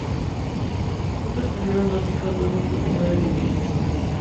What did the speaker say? Juntos, tuvieron dos hijos, dos nietos y nueve bisnietos.